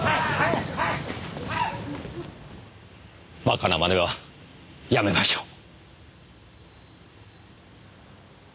バカなまねはやめましょう。